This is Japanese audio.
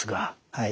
はい。